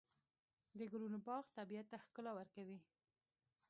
د ګلونو باغ طبیعت ته ښکلا ورکوي.